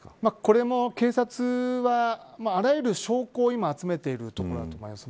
これも、警察はあらゆる証拠を今集めているところだと思います。